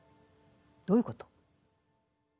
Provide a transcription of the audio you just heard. どういうこと？